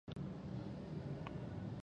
افغانستان د خپل آمو سیند یو ښه کوربه دی.